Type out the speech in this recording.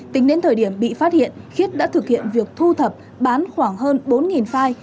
tính đến thời điểm bị phát hiện khiết đã thực hiện việc thu thập bán khoảng hơn bốn file